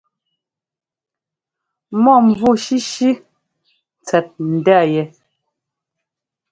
Mɔ̂mvú shíshí tsɛt ndá yɛ.